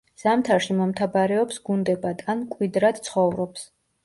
ზამთარში მომთაბარეობს გუნდებად ან მკვიდრად ცხოვრობს.